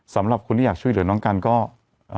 สำหรับคุณที่อยากช่วยเดี๋ยวน้องกันก็อ่า